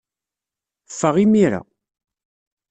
Ffeɣ imir-a.